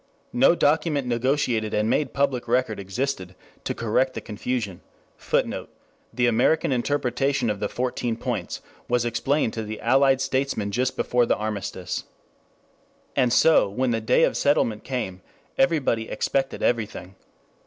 No document negotiated and made of public record existed to correct the confusion. [Footnote: The American interpretation of the fourteen points was explained to the allied statesmen just before the armistice.] And so, when the day of settlement came, everybody expected everything.